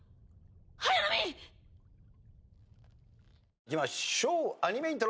いきましょうアニメイントロ。